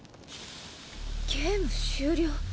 ゲーム終了？